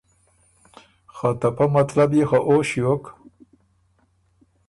خه ته پۀ مطلب يې خه او ݭیوک